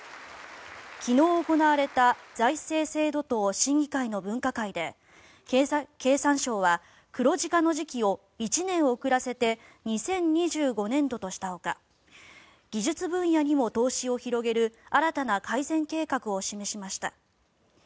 昨日行われた財政制度等審議会の分科会で経産省は黒字化の時期を１年遅らせて２０２５年度としたほか技術分野にも投資を広げる新たな改善計画を示しました。